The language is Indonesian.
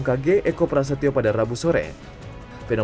di mana terdapat penyakit yang menyebabkan penyakit tersebut